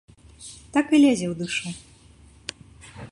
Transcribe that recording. Так і лезе ў душу.